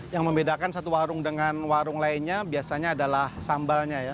yang membedakan satu warung dengan warung lainnya biasanya adalah sambalnya ya